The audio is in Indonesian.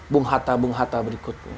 bung hatta bung hatta berikutnya